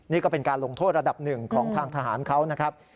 นี่ก็เป็นการลงโทษระดับหนึ่งของทางทหารเขานะครับ